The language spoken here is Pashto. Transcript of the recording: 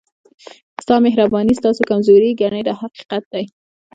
ستا مهرباني ستاسو کمزوري ګڼي دا حقیقت دی.